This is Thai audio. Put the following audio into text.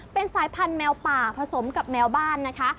เป็นสายพันธุแมวป่าผสมกับแมวบ้านนะคะ